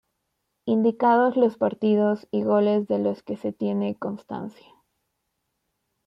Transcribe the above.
Indicados los partidos y goles de los que se tiene constancia.